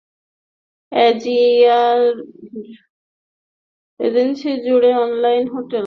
এশিয়াজুড়ে online hotel booking ব্যবসার প্রসারে অগ্রণী ভূমিকা পালন করছে জোভাগো।